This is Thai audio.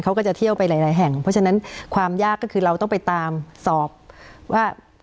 เขาก็จะเที่ยวไปหลายแห่งเพราะฉะนั้นความยากก็คือเราต้องไปตามสอบว่า